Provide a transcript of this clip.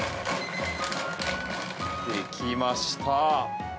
できました！